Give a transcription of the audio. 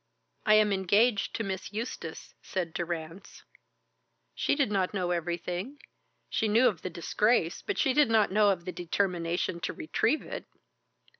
"I am engaged to Miss Eustace," said Durrance. "She did not know everything. She knew of the disgrace, but she did not know of the determination to retrieve it."